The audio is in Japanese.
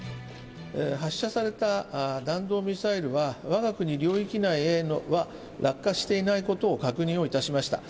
発射された弾道ミサイルは、わが国領域内へは落下していないことを確認をいたしました。